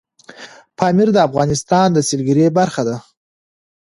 پامیر د افغانستان د سیلګرۍ برخه ده.